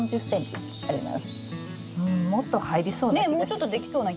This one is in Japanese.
うんもっと入りそうな気が。